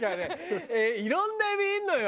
いろんなエビいるのよ。